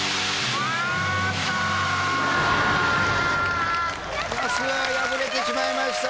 春日が敗れてしまいました。